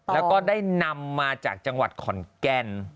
แล้วก็ได้นำมาจากจังหวัดขอนแก่น